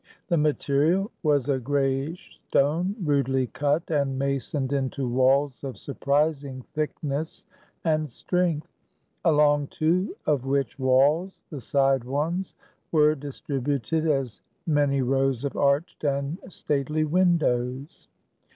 The material was a grayish stone, rudely cut and masoned into walls of surprising thickness and strength; along two of which walls the side ones were distributed as many rows of arched and stately windows.